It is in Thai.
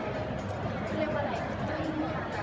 พี่แม่ที่เว้นได้รับความรู้สึกมากกว่า